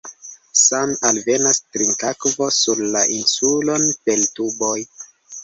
Same alvenas trinkakvo sur la insulon per tuboj.